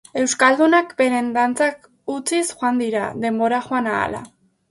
Euskaldunak beren dantzak utziz joan dira, denbora joan ahala.